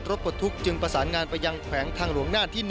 ปลดทุกข์จึงประสานงานไปยังแขวงทางหลวงหน้าที่๑